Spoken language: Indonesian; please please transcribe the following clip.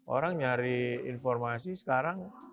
orang nyari informasi sekarang